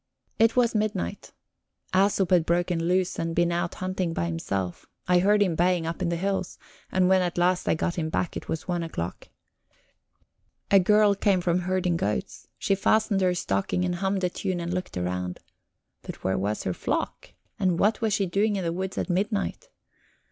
It was midnight. Æsop had broken loose and been out hunting by himself; I heard him baying up in the hills, and when at last I got him back it was one o'clock. A girl came from herding goats; she fastened her stocking and hummed a tune and looked around. But where was her flock? And what was she doing in the woods at midnight?